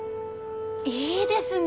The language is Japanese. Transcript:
いいですね！